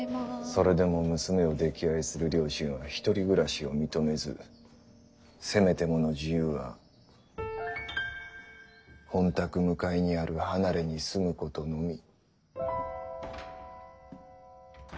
それでも娘を溺愛する両親はひとり暮らしを認めずせめてもの自由は本宅向かいにある離れに住むことのみ。